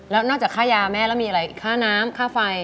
แล้วนอกจากค่ายาแม่แล้วมีอะไรค่าน้ำค่าไฟ